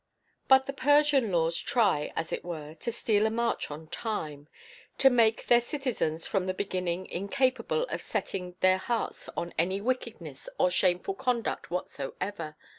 But the Persian laws try, as it were, to steal a march on time, to make their citizens from the beginning incapable of setting their hearts on any wickedness or shameful conduct whatsoever.